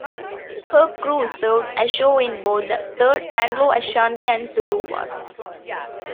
Her crew served ashore in both the Third Anglo-Ashanti and Zulu Wars.